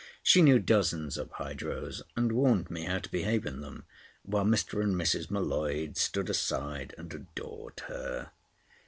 She knew dozens of hydros, and warned me how to behave in them, while Mr. and Mrs. M'Leod stood aside and adored her.